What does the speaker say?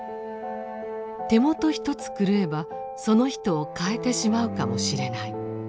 手元一つ狂えばその人を変えてしまうかもしれない。